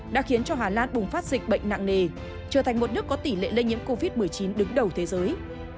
đã khiến cho hà lan bùng phát dịch bệnh nặng nề trở thành một nước có tỷ lệ lây nhiễm covid một mươi chín đứng đầu thế giới